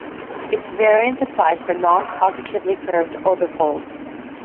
Its variant applies for non-positively curved orbifolds.